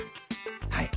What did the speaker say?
はい。